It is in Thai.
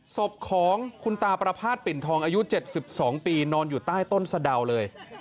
ศพของคุณตาประพาทปิ่นทองอายุ๗๒ปีนอนอยู่ใต้ต้นสะดาวเลย